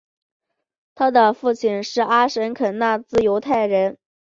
他的父亲是阿什肯纳兹犹太人。